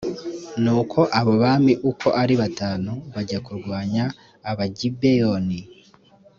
ni uko abo bami uko ari batanu bajya kurwanya abagibeyoni